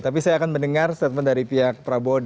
tapi saya akan mendengar statement dari pihak prabowo